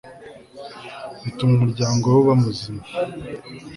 bituma umuryango we uba muzima